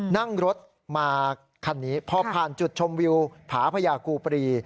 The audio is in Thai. นั่งรถมาคันนี้พอผ่านจุดชมวิวผาพญากูปรี